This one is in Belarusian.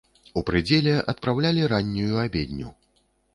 У прыдзеле адпраўлялі раннюю абедню.